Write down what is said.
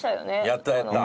やったやった。